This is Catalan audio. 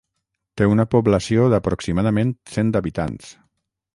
Té una població d'aproximadament cent habitants.